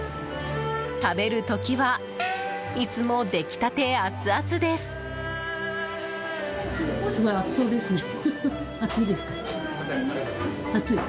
食べる時はいつも出来たてアツアツです。